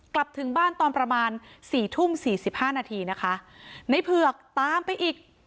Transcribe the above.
กลับถึงบ้านตอนประมาณสี่ทุ่มสี่สิบห้านาทีนะคะในเผือกตามไปอีก